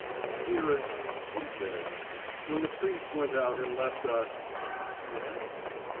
"Dearest," he said, "when the priest went out and left us " "Yes."